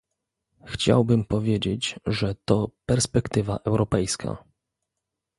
Chciałbym powiedzieć, że to perspektywa europejska